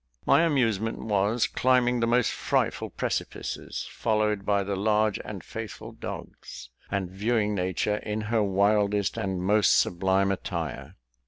My amusement was climbing the most frightful precipices, followed by the large and faithful dogs, and viewing nature in her wildest and most sublime attire.